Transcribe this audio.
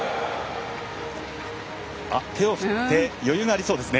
手を振って余裕がありそうですね。